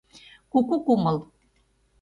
КУКУ КУМЫЛ